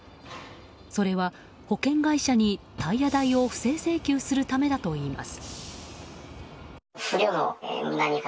それは保険会社にタイヤ代を不正請求するためだといいます。